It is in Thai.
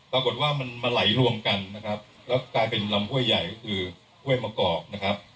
ปรากฏว่ามันมาไหลรวมกันนะครับแล้วกลายเป็นลำห้วยใหญ่ก็คือห้วยมะกอกนะครับ